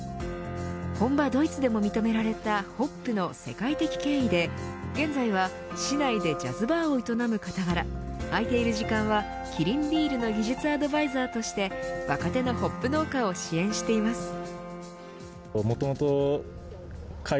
本場ドイツでも認められたホップの世界的権威で現在は市内でジャズバーを営む傍ら空いている時間はキリンビールの技術アドバイザーとして若手のホップ農家を支援しています。